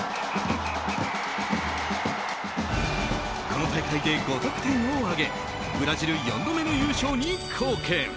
この大会で５得点を挙げブラジル４度目の優勝に貢献。